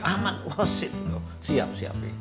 amat wasit siap siap mi